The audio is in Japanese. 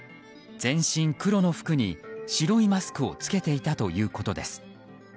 全身黒の服に白いマスクを着けていたということです。